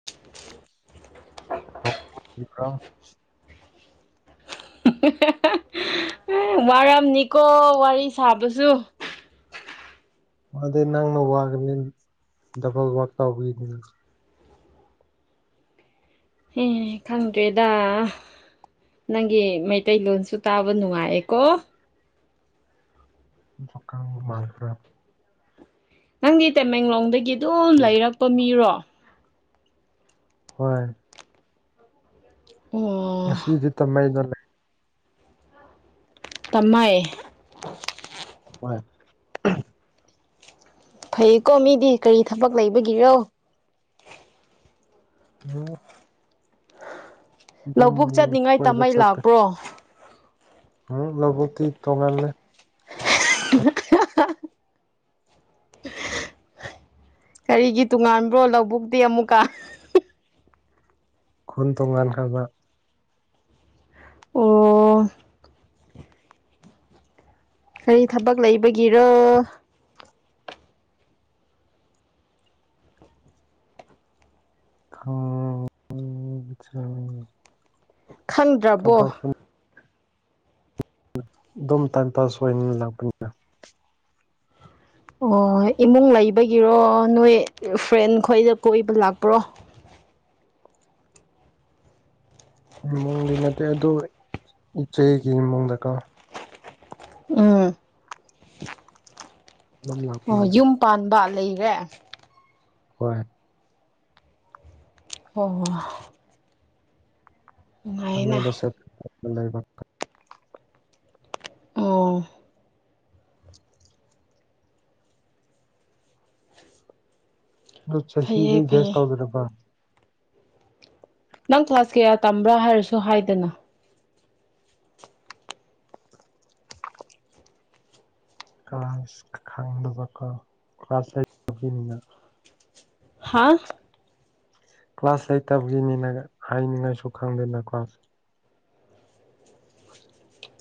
[unintelligible] [unintelligible] ꯋꯥꯔꯝꯅꯤꯀꯣ ꯋꯥꯔꯤ ꯁꯥꯕꯁꯨ ꯑꯗ ꯅꯪꯅ ꯋꯥꯒꯅꯤ ꯗꯕꯜ ꯋꯥꯥꯛꯇꯧꯕꯤꯅꯤꯅ ꯍꯦ ꯈꯪꯗ꯭ꯔꯦꯗ ꯅꯪꯒꯤ ꯃꯩꯇꯩꯂꯣꯟꯁꯨ ꯇꯥꯕ ꯅꯨꯡꯉꯥꯏꯌꯦꯀꯣ [unintelligible] ꯅꯪꯗꯤ ꯇꯃꯦꯡꯂꯣꯡꯗꯒꯤ ꯑꯗꯨꯝ ꯂꯩꯔꯛꯄ ꯃꯤꯔꯣ ꯍꯣꯏ ꯑꯣ ꯉꯁꯤꯗꯤ ꯇꯥꯃ‌ꯩꯗ ꯂꯩ ꯇꯝꯃꯥꯏ ꯍꯣꯏ ꯐꯩꯀꯣ ꯃꯤꯗꯤ ꯀꯔꯤ ꯊꯕꯛ ꯂꯩꯕꯒꯤꯔꯣ ꯎꯝ ꯑꯗꯨꯝ ꯂꯧꯕꯨꯛ ꯆꯠꯅꯤꯡꯉꯥꯏ ꯀꯣꯏꯕ ꯇꯝꯃꯩ ꯆꯠꯄ ꯂꯥꯛꯄ꯭ꯔꯣ ꯎꯝ ꯂꯕꯨꯛ ꯇꯤ ꯇꯣꯡꯉꯥꯟꯂꯦ [unintelligible] ꯀꯔꯤꯒꯤ ꯇꯣꯉꯥꯟꯕ꯭ꯔꯣ ꯂꯧꯕꯨꯛꯇꯤ ꯑꯃꯨꯛꯀꯥ ꯈꯨꯟ ꯇꯣꯉꯥꯟꯈ꯭ꯔꯕ ꯑꯣ ꯀꯔꯤ ꯊꯕꯛ ꯂꯩꯕꯒꯤꯔꯣ ꯍ [unintelligible] ꯈꯪꯗ꯭ꯔꯕꯣ ꯑꯗꯨꯝ ꯇꯥꯏꯝ ꯄꯥꯁ ꯑꯣꯏꯅꯤ ꯂꯥꯛꯄꯅꯤꯅ ꯑꯣ ꯏꯃꯨꯡ ꯂꯩꯕꯒꯤꯔꯣ ꯅꯣꯏ ꯐ꯭ꯔꯦꯟ ꯈꯣꯏꯗ ꯀꯣꯏꯕ ꯂꯥꯛꯄ꯭ꯔꯣ ꯏꯃꯨꯡꯗꯤ ꯅꯠꯇꯦ ꯑꯗꯨꯗ ꯏꯆꯦꯒꯤ ꯏꯃꯨꯡꯗꯀꯣ ꯎꯝ ꯑꯗꯨꯝ ꯑꯣ ꯂꯥꯛꯄꯅꯤꯅ ꯌꯨꯝ ꯄꯥꯟꯕ ꯂꯩꯔꯦ ꯍꯣꯏ ꯑꯣ ꯅꯨꯡꯉꯥꯏꯅ ꯑꯗꯨꯃꯥꯏꯅ ꯑꯣ ꯑꯗꯨ ꯐꯩꯌꯦ ꯆꯍꯤꯗꯒꯤ ꯒ꯭ꯌꯥꯁ ꯐꯩꯌꯦ ꯇꯧꯗꯣꯏꯔꯀꯣ ꯅꯪ ꯀ꯭ꯂꯥꯁ ꯀꯌꯥ ꯇꯝꯕ꯭ꯔꯥ ꯍꯥꯏꯔꯁꯨ ꯍꯥꯏꯗꯅ ꯀ꯭ꯂꯥꯁ ꯈꯪꯗꯕꯀꯣ ꯀ꯭ꯂꯥꯁ ꯂꯩꯕꯒꯤꯅꯤꯅ ꯍꯥꯥ ꯀ꯭ꯂꯥꯁ ꯑꯩꯠꯇꯕꯒꯤꯅꯤꯅ ꯍꯥꯏꯅꯤꯡꯉꯥꯏꯁꯨ ꯈꯪꯗꯦꯅ ꯀ꯭ꯂꯥꯁ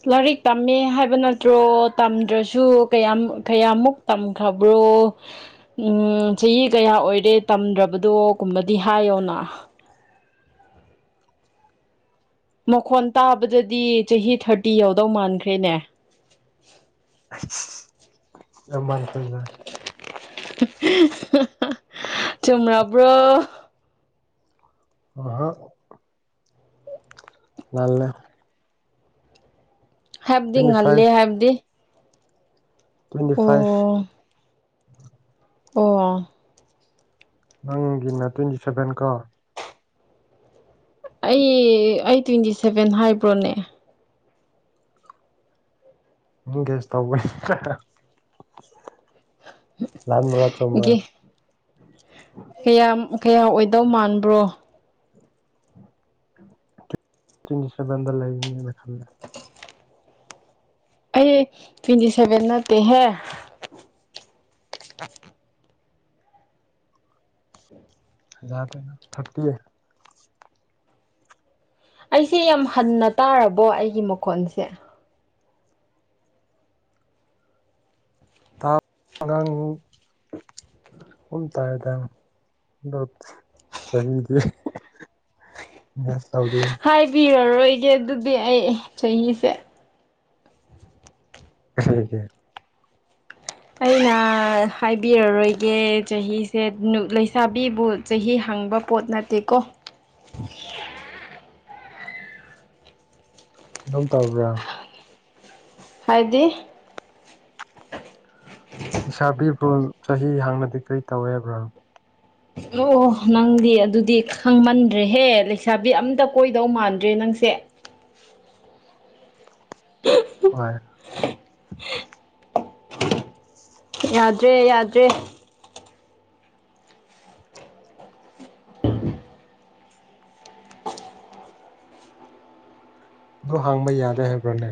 ꯂꯥꯏꯔꯤꯛ ꯇꯝꯃꯦ ꯍꯥꯏꯕ ꯅꯠꯇ꯭ꯔꯣ ꯇꯝꯗ꯭ꯔꯁꯨ ꯀꯌꯥ ꯀꯌꯥꯃꯨꯛ ꯇꯝ ꯈꯕꯔꯣ ꯎꯝ ꯆꯍꯤ ꯀꯌꯥ ꯑꯣꯏꯔꯦ ꯇꯝꯗ꯭ꯔꯕꯗꯣꯒꯨꯝꯕꯗꯤ ꯍꯥꯏꯌꯣꯅ ꯃꯈꯣꯟ ꯇꯥꯕꯗꯗꯤ ꯆꯍꯤ ꯊꯥꯔꯇꯤ ꯌꯥꯎꯗꯧ ꯃꯥꯟꯈ꯭ꯔꯦꯅꯦ ꯑꯥꯟ ꯀꯖ ꯆꯨꯝꯕ꯭ꯔꯣ ꯍ ꯍꯣ ꯅꯜ ꯍꯥꯏꯕꯗꯤ ꯇ꯭ꯋꯦꯟꯇꯤ ꯉꯜꯂꯤꯦ ꯐꯥꯏꯚ ꯍꯥꯏꯕꯗꯤ ꯇ꯭ꯋꯦꯟꯇꯤ ꯐꯥꯏꯚ ꯑꯣ ꯑꯣ ꯑ ꯅꯪꯒꯤꯅ ꯇ꯭ꯋꯦꯟꯇꯤ ꯁꯚꯦꯟ ꯀꯣ ꯑꯩ ꯑꯩ ꯇ꯭ꯋꯦꯟꯇꯤ ꯁꯦꯚꯦꯟ ꯍꯥꯏꯕ꯭ꯔꯣꯅꯦ ꯍ ꯀꯦꯁ ꯇꯥꯎꯕꯅꯤ ꯂꯥꯟ ꯃꯅꯥ ꯆꯣꯃ ꯒꯤ ꯀꯌꯥꯝ ꯀꯌꯥ ꯑꯣꯏꯗꯧ ꯃꯥꯟꯕ꯭ꯔꯣ ꯇꯤꯟꯇ ꯁꯕꯦꯟꯗ ꯂꯩꯅꯦꯦ ꯑꯩ ꯇ꯭ꯋꯦꯟꯇꯤ ꯁꯦꯚꯦꯟ ꯅꯠꯇꯦꯍꯦ ꯌꯥꯗꯦꯅ ꯊꯔꯇꯤ ꯑꯩꯁꯦ ꯌꯥꯝ ꯍꯟꯅ ꯇꯥꯔꯕꯣ ꯑꯩꯒꯤ ꯃꯈꯣꯟꯁꯦ ꯑꯉꯥꯡꯨ ꯎꯟ ꯇ ꯍꯥꯏꯗꯠ ꯆꯗꯤ ꯌꯥꯁꯥꯎꯗ ꯍꯥꯏꯕꯤꯔꯔꯣꯏꯒꯦ ꯑꯗꯨꯗꯤ ꯑꯩ ꯆꯍꯤꯁꯦ ꯍ ꯑꯩꯅ ꯍꯥꯏꯕꯤꯔꯔꯣꯏꯒꯦ ꯆꯍꯤꯁꯦ ꯂꯩꯁꯥꯕꯤꯕꯨ ꯆꯍꯤ ꯍꯪꯕ ꯄꯣꯠ ꯅꯠꯇꯦꯀꯣ ꯑꯗꯨꯝ ꯇꯧꯕꯕ꯭ꯔꯥ ꯍꯥꯏꯗꯤ ꯏꯁꯥꯕꯤꯕ꯭ꯔꯣ ꯆꯍꯤ ꯍꯥꯡꯅꯗꯤ ꯀꯔꯤ ꯇꯧꯋꯦꯕ꯭ꯔꯣ ꯑꯣ ꯅꯪꯗꯤ ꯑꯗꯨꯗꯤ ꯈꯪꯃꯟꯗ꯭ꯔꯦꯍꯦ ꯂꯩꯁꯥꯕꯤ ꯑꯝꯇ ꯀꯣꯏꯗꯧ ꯃꯥꯟꯗ꯭ꯔꯦ ꯅꯪꯁꯦ [unintelligible] ꯍꯣꯏ ꯌꯥꯗ꯭ꯔꯦ ꯌꯥꯗ꯭ꯔꯦ ꯑꯗꯣ ꯍꯥꯡꯕ ꯌꯥꯗꯦ ꯍꯥꯏꯕ꯭ꯔꯥꯅꯦ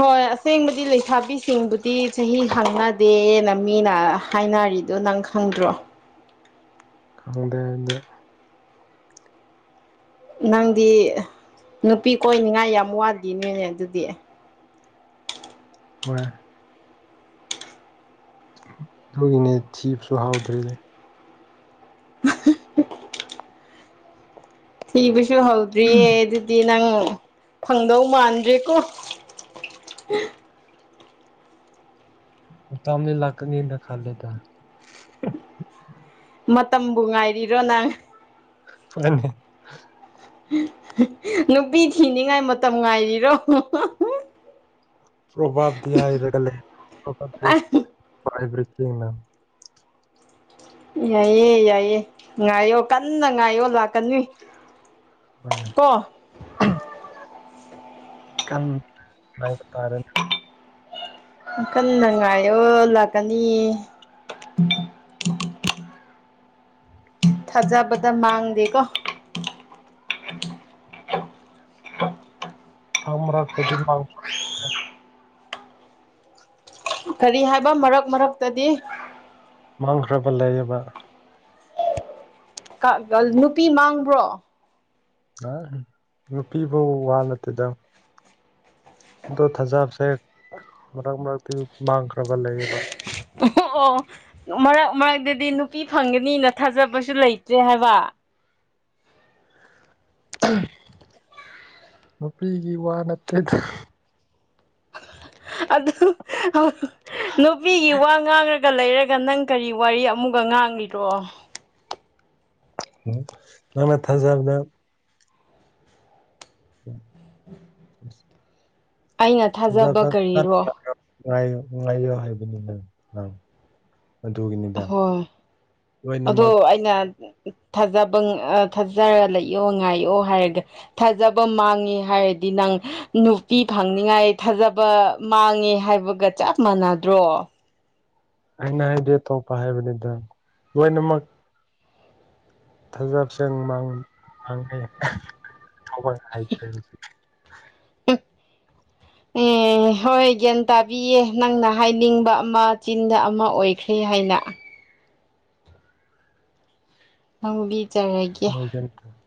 ꯍꯣꯏ ꯑꯁꯦꯡꯕꯗꯤ ꯂꯩꯁꯥꯕꯤꯁꯤꯡꯕꯨꯗꯤ ꯆꯍꯤ ꯍꯪꯅꯗꯦꯅ ꯃꯤꯅ ꯍꯥꯏꯅꯔꯤ ꯑꯗꯨ ꯅꯪ ꯈꯪꯗ꯭ꯔꯣ ꯈꯪꯗꯦ ꯑꯩꯗꯤ ꯅꯪꯗꯤ ꯅꯨꯄꯤ ꯀꯣꯏꯅꯤꯡꯉꯥꯏ ꯌꯥꯝ ꯋꯥꯠꯂꯤꯅꯦꯅꯦ ꯑꯗꯨꯗꯤ ꯍꯣꯏ ꯑꯗꯨꯏꯅꯦ ꯊꯤꯕꯁꯨ ꯍꯥꯎꯗ꯭ꯔꯤꯅꯦ ꯊꯤꯕꯁꯨ ꯍꯥꯎꯗ꯭ꯔꯤꯌꯦ ꯑꯗꯨ ꯗꯤ ꯅꯪ ꯐꯪꯗꯧ ꯃꯥꯟꯗ꯭ꯔꯦꯀꯣ ꯃꯇꯝꯗꯤ ꯂꯥꯛꯀꯅꯤꯅ ꯈꯜꯂꯤꯗꯥ ꯃꯇꯝꯕꯨ ꯉꯥꯏꯔꯤꯔꯣ ꯅꯪ ꯍꯣꯏꯅꯦ ꯅꯨꯄꯤ ꯊꯤꯅꯤꯡꯉꯥꯏ ꯃꯇꯝ ꯉꯥꯏꯔꯤꯔꯣ ꯄ꯭ꯔꯚꯕꯗꯤ ꯍꯥꯏꯔꯒ ꯂꯩ [unintelligible] ꯌꯥꯏꯌꯦ ꯌꯥꯏꯌꯦ ꯉꯥꯏꯌꯣ ꯀꯟꯅ ꯉꯥꯏꯌꯣ ꯂꯥꯛꯀꯅꯤ ꯍꯣꯏ ꯀꯣ ꯀꯪ ꯍꯥꯏꯕ ꯇꯥꯔꯦꯅꯦ ꯀꯟꯅ ꯉꯥꯏꯌꯣ ꯂꯥꯛꯀꯅꯤꯌꯦ ꯊꯥꯖꯕꯗꯥ ꯃꯥꯡꯗꯦꯀꯣ [inaudible] ꯀꯔꯤ ꯍꯥꯏꯕ ꯃꯔꯛ ꯃꯔꯛꯇꯗꯤ ꯃꯥꯡꯈ꯭ꯔꯥꯕ ꯂꯩꯌꯦꯕ ꯀꯥ ꯒꯜ ꯅꯨꯄꯤ ꯃꯥꯡꯕ꯭ꯔꯣ ꯑꯥ ꯅꯨꯨꯄꯤ ꯐꯧ ꯋꯥ ꯅꯠꯇꯦꯗ ꯑꯗꯣ ꯊꯥꯖꯥꯕꯁꯦ ꯃꯔꯛ ꯃꯔꯛꯇꯤ ꯃꯥꯡꯈ꯭ꯔꯥꯕ ꯂꯩꯌꯦꯕ ꯑꯣ ꯃꯔꯛ ꯃꯔꯛꯇꯗꯤ ꯅꯨꯄꯤ ꯐꯪꯒꯅꯤꯅ ꯊꯥꯖꯕꯁꯨ ꯂꯩꯇ꯭ꯔꯦ ꯍꯥꯏꯕ [unintelligible] ꯅꯨꯄꯤꯒꯤ ꯋꯥ ꯅꯠꯇꯦꯗ ꯑꯗꯨ [unintelligible] ꯅꯨꯄꯤꯒꯤ ꯋꯥ ꯉꯥꯡꯉꯥ ꯒꯥ ꯂꯩꯔꯒ ꯅꯪ ꯀꯔꯤ ꯋꯥꯔꯤ ꯑꯃꯨꯛꯒ ꯉꯥꯡꯂꯤꯔꯣ ꯎꯝ ꯅꯪꯅ ꯊꯥꯖꯕꯗ [unintelligible] ꯑꯩꯅ ꯊꯥꯖꯕ ꯊꯖꯥꯕꯗ ꯀꯔꯤꯔꯣ [unintelligible] ꯉꯥꯏꯌꯣ ꯉꯥꯏꯌꯣ ꯍꯥꯏꯕꯅꯤꯗ ꯅꯪ ꯑꯗꯨꯒꯤꯅꯤꯗ ꯍꯣꯏ ꯑꯗꯣ ꯂꯣꯏꯅꯃꯛ ꯑꯩꯅ ꯊꯥꯖꯕ ꯑꯥ ꯊꯥꯖꯔꯥ ꯂꯩꯌꯣ ꯉꯥꯏꯌꯣ ꯍꯥꯏꯔꯒ ꯊꯥꯖꯕ ꯃꯥꯡꯉꯤ ꯍꯥꯏꯔꯗꯤ ꯅꯪ ꯅꯨꯄꯤ ꯐꯪꯅꯤꯉꯥꯏ ꯊꯥꯖꯕ ꯃꯥꯡꯉꯦ ꯍꯥꯏꯕꯒ ꯆꯞ ꯃꯥꯟꯅꯗ꯭ꯔꯣ ꯑꯩꯅ ꯍꯥꯏꯗꯤ ꯑꯇꯣꯞꯄ ꯍꯥꯏꯕꯅꯤꯗ ꯂꯣꯏꯅꯃꯛ ꯊꯥꯖꯥꯕꯁꯦ ꯃꯥꯡ ꯃꯥꯡꯉꯦ [unintelligible] ꯍꯥꯏꯈ꯭ꯔꯦ ꯑꯦ ꯍꯣꯏ ꯒ꯭ꯌꯥꯟ ꯇꯥꯕꯤꯌꯦ ꯅꯪꯅ ꯍꯥꯏꯅꯤꯡꯕ ꯑꯃ ꯆꯤꯟꯗ ꯑꯃ ꯑꯣꯏꯈ꯭ꯔꯦ ꯍꯥꯏꯅ ꯐꯪꯕꯤ [unintelligible]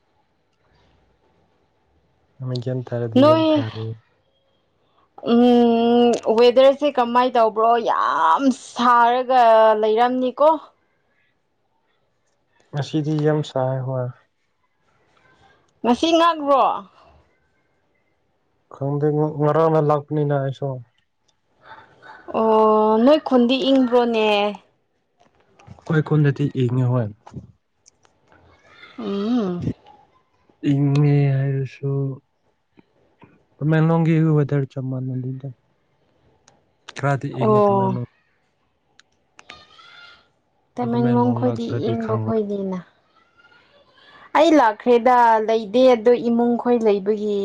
ꯑꯃꯥ ꯒ꯭ꯌꯥꯟ ꯇꯥꯔꯗꯤ ꯌꯥꯝ ꯅꯣꯏ ꯐꯔꯦ ꯎꯝ ꯎꯝ ꯋꯦꯗꯔꯁꯦ ꯀꯃꯥꯏꯅ ꯇꯧꯕ꯭ꯔꯣ ꯌꯥꯝ ꯁꯥꯔꯒ ꯂꯩꯔꯝꯅꯤꯀꯣ ꯉꯁꯤꯗꯤ ꯌꯥꯝ ꯁꯥꯏ ꯍꯣꯏ ꯉꯁꯤ ꯉꯥꯛꯔꯣ ꯈꯪꯗꯦ ꯉꯔꯥꯡꯅ ꯂꯥꯛꯕꯅꯤꯅ ꯑꯩꯁꯨ ꯑꯣ ꯅꯣꯏ ꯈꯨꯟꯗꯤ ꯏꯪꯕ꯭ꯔꯣꯅꯦ ꯑꯩꯈꯣꯏ ꯀꯣꯟꯗꯗꯤ ꯏꯡꯉꯦ ꯍꯣꯏ ꯑꯝ ꯏꯪꯉꯦ ꯍꯥꯏꯔꯁꯨ ꯇꯥꯃꯦꯡꯂꯣꯡꯒꯤ ꯋꯦꯇꯔ ꯆꯥꯞ ꯃꯥꯟꯅꯩꯗ ꯀ꯭ꯔꯥꯗꯤ ꯌꯦꯡꯦ ꯇ ꯑꯣ ꯃꯅꯣ [inaudible] ꯑꯗꯨ ꯇꯃꯦꯡꯂꯣꯡ ꯈꯣꯏꯗꯤ ꯂꯥꯛꯇ꯭ꯔꯗꯤ ꯏꯪꯕ ꯈꯪꯔꯣꯏ ꯈꯣꯏꯗꯤꯅ ꯑꯩ ꯂꯥꯛꯈ꯭ꯔꯦꯗ ꯂꯩꯗꯦ ꯑꯗꯣ ꯏꯃꯨꯡ ꯈꯣꯏ ꯂꯩꯕꯒꯤ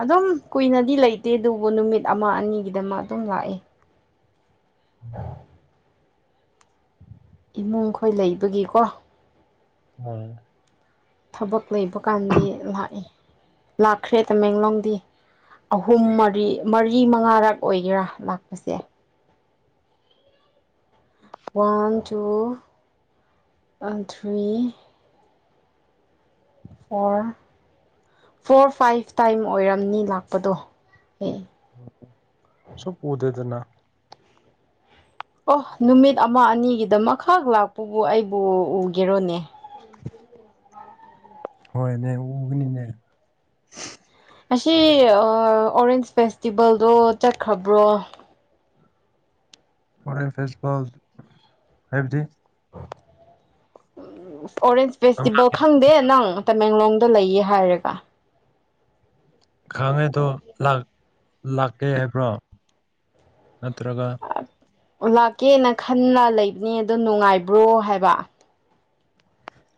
ꯑꯗꯨꯝ ꯀꯨꯏꯅꯗꯤ ꯂꯩꯇꯦ ꯑꯗꯨꯕꯨ ꯅꯨꯃꯤꯠ ꯑꯃ ꯑꯅꯤꯒꯤꯗꯃꯛ ꯑꯗꯨꯝ ꯂꯥꯛꯑꯦ ꯑ [inaudible] ꯏꯃꯨꯡ ꯈꯣꯏ ꯂꯩꯕꯒꯤꯀꯣ ꯑꯥ ꯊꯕꯛ ꯂꯩꯕ ꯀꯥꯟꯗꯤ ꯂꯥꯛꯏ ꯂꯥꯛꯈ꯭ꯔꯦ ꯇꯃꯦꯡꯂꯣꯡꯗꯤ ꯑꯍꯨꯝ ꯃꯔꯤ ꯃꯔꯤ ꯃꯉꯥꯔꯛ ꯑꯣꯏꯒꯦꯔꯥ ꯂꯥꯛꯄꯁꯦ one two three [unintelligible] or four five time ꯑꯣꯏꯔꯝꯅꯤ ꯂꯥꯛꯄꯗꯣ ꯑꯦ ꯁꯥꯛ ꯎꯨꯗ꯭ꯔꯦꯗꯅ ꯑꯣ ꯅꯨꯃꯤꯠ ꯑꯃ ꯑꯅꯤꯒꯤꯗꯃꯛ ꯃꯈꯥ ꯂꯥꯛꯄꯕꯨ ꯑꯩꯕꯨ ꯎꯒꯦꯔꯣꯅꯦ ꯍꯣꯏꯅꯦ ꯎꯒꯅꯤꯅꯦ ꯉꯁꯤ ꯑꯣꯔꯦꯟꯁ ꯐꯦꯁꯇꯤꯚꯦꯜꯗꯣ ꯆꯠꯈ꯭ꯔꯕ꯭ꯔꯣ ꯑꯣꯔꯦꯟ ꯐꯦꯁꯇꯕꯜ ꯍꯥꯏꯕꯗꯤ ꯎꯝ ꯑꯣꯔꯦꯟꯁ ꯐꯦꯁꯇꯤꯚꯦꯜ ꯈꯪꯗꯦ ꯅꯪ ꯇꯃꯦꯡꯂꯣꯡꯗ ꯂꯩꯌꯦ ꯍꯥꯏꯔꯒ ꯈꯪꯉꯦꯗꯣ ꯂꯥꯛꯀꯦ ꯍꯥꯏꯕ꯭ꯔꯣ ꯅꯠꯇ꯭ꯔꯒ ꯂꯥꯛꯀꯦꯅ ꯈꯟꯅ ꯂꯩꯕꯅꯦ ꯑꯗꯣ ꯅꯨꯡꯉꯥꯏꯕ꯭ꯔꯣ ꯍꯥꯏꯕ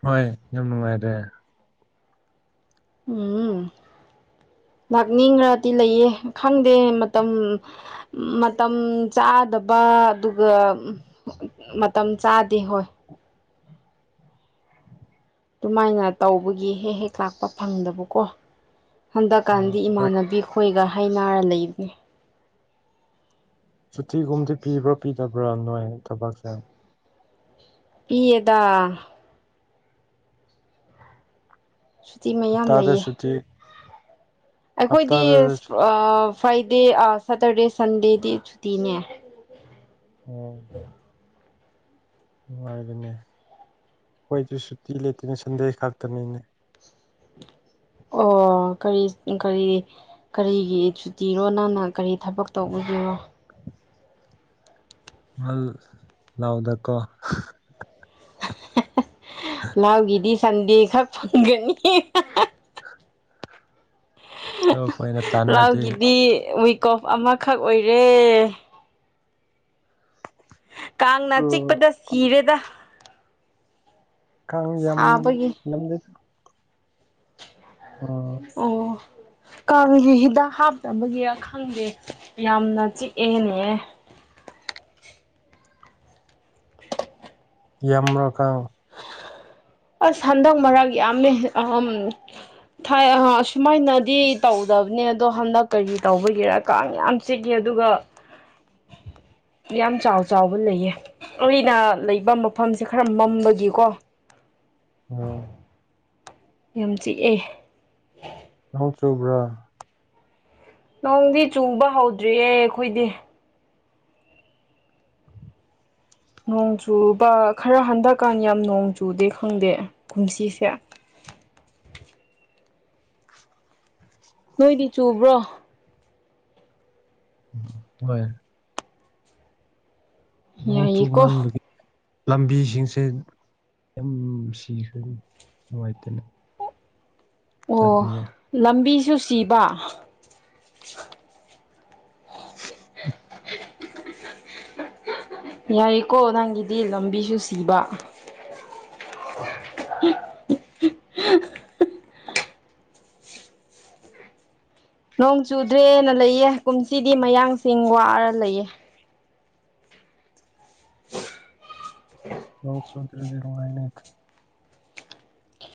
ꯍꯣꯏ ꯌꯥꯝ ꯅꯨꯡꯉꯥꯏꯔꯦ ꯎꯝ ꯂꯥꯛꯅꯤꯡꯈ꯭ꯔꯗꯤ ꯂꯩꯌꯦ ꯈꯪꯗꯦ ꯃꯇꯝ ꯃꯇꯝ ꯆꯥꯗꯕ ꯑꯗꯨ ꯑꯗꯨꯒ ꯃꯇꯝ ꯆꯥꯗꯦ ꯍꯣꯏ ꯑꯗꯨꯃꯥꯏꯅ ꯇꯧꯕꯒꯤ ꯍꯦꯛ ꯍꯦꯛ ꯂꯥꯛꯄ ꯐꯪꯗꯕꯀꯣ ꯍꯣꯏ ꯍꯟꯗꯛꯀꯥꯟꯗꯤ ꯍꯣꯏ ꯏꯃꯥꯟꯅꯕꯤ ꯈꯣꯏꯒ ꯍꯥꯢꯅꯔ ꯂꯩꯕꯅꯤ ꯁꯨꯇꯤꯒꯨꯝꯗꯤ ꯄꯤꯕ꯭ꯔꯥ ꯄꯤꯗꯕ꯭ꯔꯥ ꯅꯣꯏ ꯊꯕꯛꯁꯦ ꯄꯤꯌꯦꯗ ꯁꯨꯇꯤ ꯃꯌꯥꯝ ꯍꯞꯇꯥꯗ ꯂꯩꯌꯦ ꯁꯨꯇꯤ ꯑꯩꯈꯣꯏꯗꯤ ꯍꯞꯇꯥꯗ ꯑꯣ ꯐ꯭ꯔꯥꯏꯗꯦ ꯁꯦꯇꯔꯗꯦ ꯁꯟꯗꯦꯗꯤ ꯁꯨꯇꯤꯅꯦ ꯑꯣ ꯅꯨꯡꯉꯥꯏꯕꯅꯦ ꯈꯣꯢꯗꯤ ꯁꯨꯇꯤ ꯂꯩꯦꯇꯦꯅꯦ ꯁꯟꯗꯦ ꯈꯥꯛꯇꯥꯅꯤꯅꯦ ꯑꯣ ꯀꯔꯤ ꯀꯔꯤ ꯀꯔꯤꯒꯤ ꯁꯨꯇꯤꯔꯣ ꯅꯪꯅ ꯀꯔꯤ ꯊꯕꯛꯛꯇꯧꯕꯒꯤꯔꯣ ꯑꯜ ꯂꯧꯗꯀꯣ ꯂꯧꯒꯤꯗꯤ ꯁꯟꯗꯦ ꯈꯛ ꯐꯪꯒꯅꯤ ꯑꯗꯣ ꯑꯩꯈꯣꯏꯅ ꯇꯥꯟꯅꯗꯦ ꯂꯧꯒꯤꯗꯤ ꯋꯤꯑꯣꯐ ꯑꯃꯈꯛ ꯑꯣꯏꯔꯦ ꯀꯥꯡꯅ ꯆꯤꯛꯄꯗ ꯁꯤꯔꯦꯗ ꯈꯪꯗꯦ ꯌꯥꯝ ꯁꯥꯕꯒꯤ ꯂꯝꯗꯦ ꯑꯥ ꯑꯣ ꯀꯥꯡꯒꯤ ꯍꯤꯗꯥꯛ ꯍꯥꯞꯇꯕꯒꯤꯔ ꯈꯪꯗꯦ ꯌꯥꯝꯅ ꯆꯤꯛꯑꯦꯅꯦ ꯌꯥꯝ ꯑꯃꯀ [unintelligible] ꯑꯁ ꯍꯟꯗꯛ ꯃꯔꯛ ꯌꯥꯝꯃꯦ ꯑꯍꯝ ꯊꯥꯏ ꯑ ꯑꯁꯨꯃꯥꯏꯅꯗꯤ ꯇꯧꯗꯕꯅꯦ ꯑꯗꯣ ꯍꯟꯗꯛ ꯀꯔꯤ ꯇꯧꯕꯒꯤꯔꯀ ꯌꯥꯝ ꯁꯤꯒꯤ ꯑꯗꯨꯒ [inaudible] ꯌꯥꯝ ꯆꯥꯎ ꯆꯥꯎꯕ ꯂꯩꯌꯦ ꯑꯩꯅ ꯂꯩꯕ ꯃꯐꯝꯁꯦ ꯈꯔ ꯃꯝꯕꯒꯤꯀꯣ ꯎꯝ ꯌꯥꯝ ꯆꯤꯛꯑꯦ ꯅꯣꯡ ꯆꯨꯕꯔꯥ ꯅꯣꯡꯗꯤ ꯆꯨꯕ ꯍꯧꯗ꯭ꯔꯤꯌꯦ ꯑꯩꯈꯣꯏꯗꯤ ꯅꯣꯡ ꯆꯨꯕ ꯈꯔ ꯍꯟꯗꯛꯀꯥꯟ ꯌꯥꯝ ꯅꯣꯡ ꯆꯨꯗꯦ ꯈꯪꯗꯦ ꯀꯨꯝꯁꯤꯁꯦ [inaudible] ꯅꯣꯏꯗꯤ ꯆꯨꯕ꯭ꯔꯣ ꯍꯣꯏ ꯅꯣꯡ ꯌꯥꯏꯌꯦꯀꯣ ꯆꯨꯃꯟꯕꯒꯤ ꯂꯝꯕꯤꯁꯤꯡꯁꯦ ꯌꯥꯝ ꯁꯤꯈꯔ‌ꯦꯅ‌ꯦ ꯅꯨꯡꯉꯥꯏꯇꯦꯅ‌ꯦ ꯑꯣ ꯂꯝꯕꯤꯁꯨ ꯁꯤꯕ [unintelligible] ꯌꯥꯏꯀꯣ ꯅꯪꯒꯤꯗꯤ ꯂꯝꯕꯤꯁꯨ ꯁꯤꯕ [inaudible] ꯅꯣꯡ ꯆꯨꯗ꯭ꯔꯦꯅ ꯂꯩꯌꯦ ꯀꯨꯝꯁꯤꯗꯤ ꯃꯌꯥꯡꯁꯤꯡ ꯋꯥꯔ ꯂꯩꯌꯦ ꯅꯣꯡ ꯆꯨꯗ꯭ꯔꯗꯤ ꯅꯨꯉꯥꯏꯅꯤꯗ